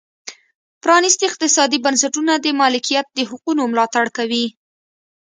پرانیستي اقتصادي بنسټونه د مالکیت د حقونو ملاتړ کوي.